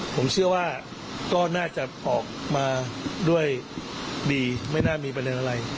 ผมเชื่อว่าก็น่าจะออกมาด้วยดีไม่น่ามีประเด็นอะไร